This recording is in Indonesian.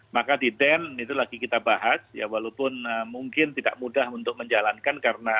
maka di den itu lagi kita bahas ya walaupun mungkin tidak mudah untuk menjalankan karena